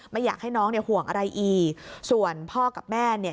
ไม่อยากให้น้องเนี่ยห่วงอะไรอีกส่วนพ่อกับแม่เนี่ย